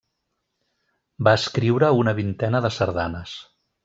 Va escriure una vintena de sardanes.